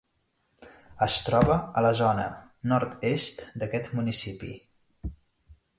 Es troba a la zona nord-est d'aquest municipi.